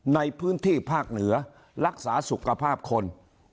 ในพื้นที่ภาคเหนือรักษาสุขภาพคน